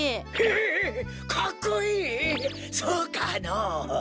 そうかのぉ？